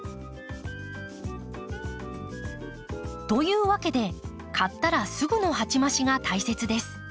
というわけで買ったらすぐの鉢増しが大切です。